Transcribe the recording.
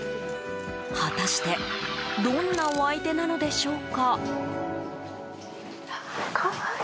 果たしてどんなお相手なのでしょうか。